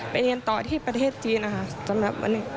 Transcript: ไปเรียนต่อที่ประเทศจีนค่ะ